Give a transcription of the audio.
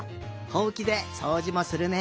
ほうきでそうじもするね。